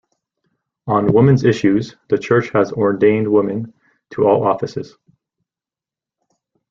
On women's issues, the church has ordained women to all offices.